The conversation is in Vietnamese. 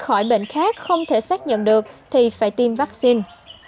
các trường hợp f tại tp hcm không thể xác nhận được thì phải tiêm vaccine